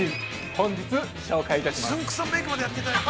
本日、紹介いたします。